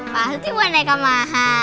pasti boneka mahal